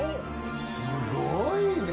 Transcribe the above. すごいね！